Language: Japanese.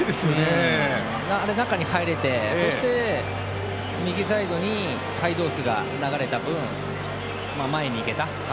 中に入れて右サイドにハイドースが流れた分、前に行けた。